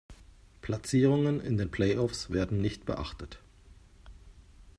Platzierungen in den Playoffs werden nicht beachtet.